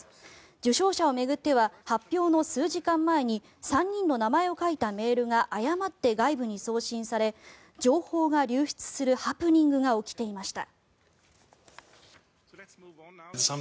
受賞者を巡っては発表の数時間前に３人の名前を書いたメールが誤って外部に送信され情報が流出するハプニングが起きていました。